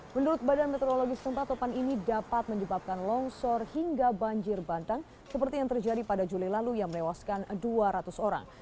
menurut badan meteorologi setempat topan ini dapat menyebabkan longsor hingga banjir bandang seperti yang terjadi pada juli lalu yang melewaskan dua ratus orang